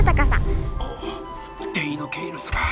おデイノケイルスか。